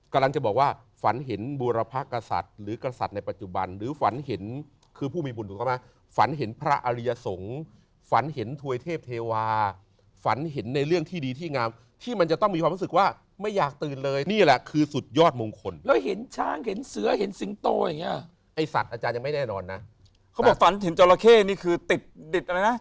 คนแบบนี้ก็ไม่คนธรรมดาทั่วไปเขาจะต้องมีความสามารถพิเศษบางอย่างในอาชีพของเขา